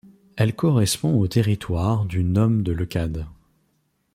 Elle correspond au territoire du nome de Leucade.